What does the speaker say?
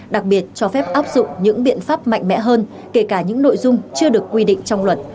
đặc biệt cho phép áp dụng những biện pháp mạnh mẽ hơn kể cả những nội dung